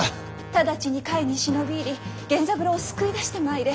直ちに甲斐に忍び入り源三郎を救い出してまいれ。